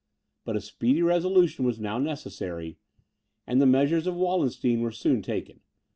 But a speedy resolution was now necessary; and the measures of Wallenstein were soon taken.